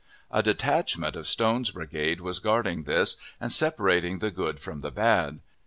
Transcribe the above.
A detachment of Stone's brigade was guarding this, and separating the good from the bad.